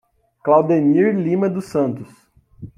Claudenir Lima dos Santos